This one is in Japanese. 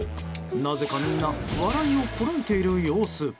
なぜか皆笑いをこらえている様子。